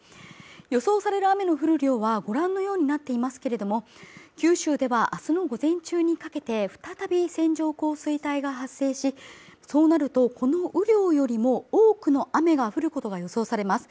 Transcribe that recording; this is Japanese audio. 予想される雨の降る量はご覧のようになっていますけれども九州ではあすの午前中にかけて再び線状降水帯が発生しそうなるとこの雨量よりも多くの雨が降ることが予想されます